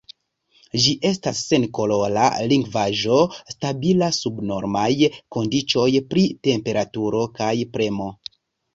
Ĝi estas senkolora likvaĵo, stabila sub normaj kondiĉoj pri temperaturo kaj premo.